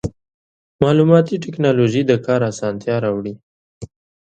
مالوماتي ټکنالوژي د کار اسانتیا راوړي.